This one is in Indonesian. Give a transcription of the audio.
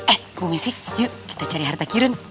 eh bu misi yuk kita cari harta kirun